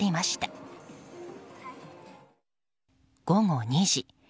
午後２時。